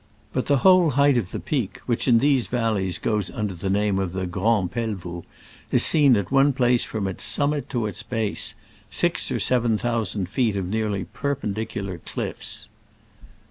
But the whole height of the peak, which in these valleys goes under the name of the "Grand Pel voux," is seen at one place from its summit to its base — six or seven thou sand feet of nearly perpendicular cliffs.